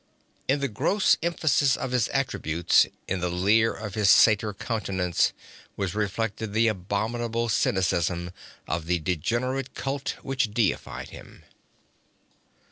In the gross emphasis of his attributes, in the leer of his satyr countenance, was reflected the abominable cynicism of the degenerate cult which deified him.